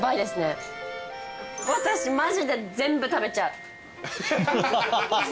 私マジで全部食べちゃう。